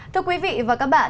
thưa quý vị và các bạn